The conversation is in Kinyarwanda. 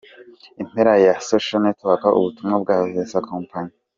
Impera ya {socialnetworck} ubutumwa bwa vincentkompany.